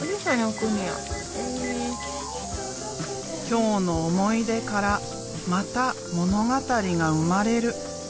今日の思い出からまた物語が生まれる。